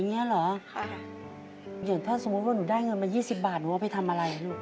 ๒๐กล่องก็๒๐บาทอย่างนี้เหรออย่างถ้าสมมติว่าหนูได้เงินมา๒๐บาทหนูเอาไปทำอะไรล่ะลูก